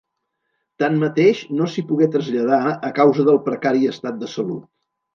Tanmateix no s'hi pogué traslladar a causa del precari estat de salut.